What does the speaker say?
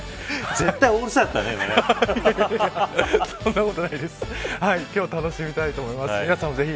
ぜひ楽しみたいと思います。